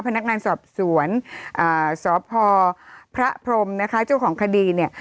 พนักงานสอบสวนสพพระพรมนะคะเจ้าของคดีเนี่ย